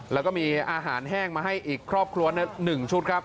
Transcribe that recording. แล้วก็มีอาหารแห้งมาให้อีกครอบครัว๑ชุดครับ